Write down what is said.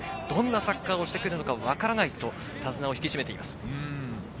どんなサッカーをしてくるのか分からないと手綱を引き締めています。